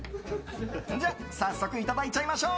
じゃあ、早速いただいちゃいましょう。